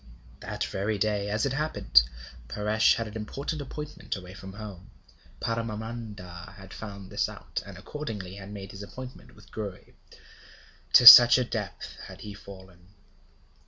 That very day, as it happened, Paresh had an important appointment away from home. Paramananda had found this out, and accordingly had made his appointment with Gouri. To such a depth had he fallen!